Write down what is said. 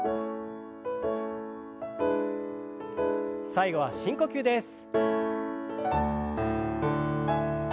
最後は深呼吸です。